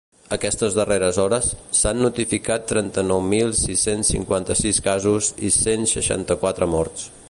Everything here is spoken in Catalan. Aquestes darreres hores, s’han notificat trenta-nou mil sis-cents cinquanta-sis casos i cent seixanta-quatre morts.